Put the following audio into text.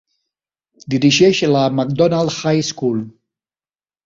Dirigeix la Macdonald High School.